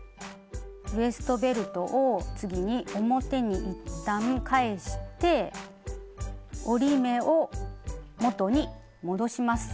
ウエストベルトを次に表に一旦返して折り目を元に戻します。